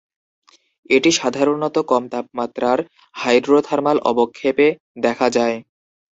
এটি সাধারণত কম তাপমাত্রার হাইড্রোথার্মাল অবক্ষেপে দেখা যায়।